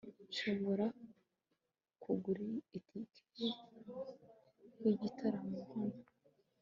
nshobora kugura itike yigitaramo hano